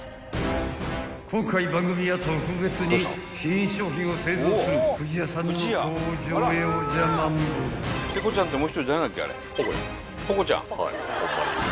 ［今回番組は特別に新商品を製造する不二家さんの工場へおじゃまんぼう］